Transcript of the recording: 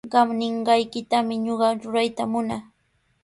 Qam ninqaykitami ñuqa rurayta munaa.